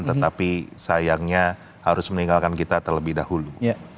tetapi sayangnya harus meninggalkan kita terlebih dahulu